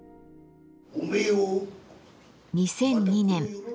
２００２年